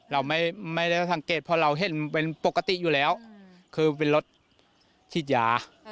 เราไม่ได้สังเกตเพราะเราเห็นเป็นปกติอยู่แล้วคือเป็นรถฉีดยา